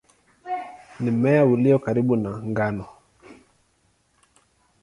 Ni mmea ulio karibu na ngano.